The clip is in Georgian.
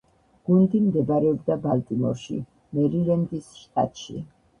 გუნდი მდებარეობდა ბალტიმორში, მერილენდის შტატში.